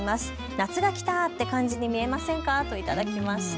夏が来たって感じに見えませんかと頂きました。